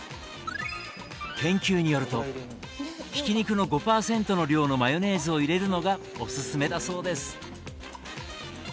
研究によるとひき肉の５％の量のマヨネーズを入れるのがおすすめだそうです。